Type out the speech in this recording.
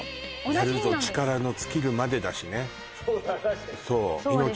「やるぞ力のつきるまで」だしね